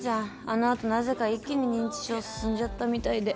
あのあとなぜか一気に認知症進んじゃったみたいで。